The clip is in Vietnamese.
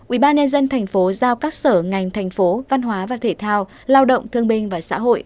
ubnd tp giao các sở ngành thành phố văn hóa và thể thao lao động thương binh và xã hội